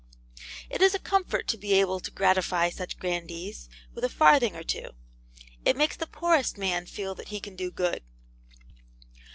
It is a comfort to be able to gratify such grandees with a farthing or two; it makes the poorest man feel that he can do good.